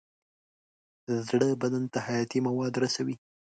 زړه بدن ته حیاتي مواد رسوي.